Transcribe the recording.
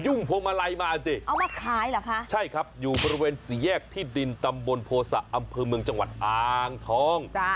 พวงมาลัยมาสิเอามาขายเหรอคะใช่ครับอยู่บริเวณสี่แยกที่ดินตำบลโภษะอำเภอเมืองจังหวัดอ่างทอง